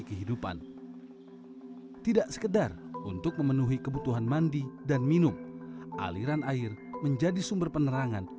kehidupan tidak sekedar untuk memenuhi kebutuhan mandi dan minum aliran air menjadi sumber penerangan